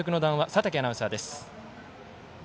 佐竹アナウンサーです。